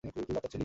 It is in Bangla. তুই বাচ্চা ছিলি।